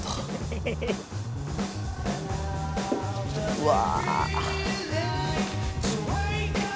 うわ！